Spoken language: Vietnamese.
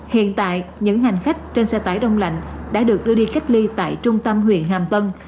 hiện tại những hành khách trên xe tải đông lạnh đã được đưa đi cách ly tại trung tâm huyện hàm tân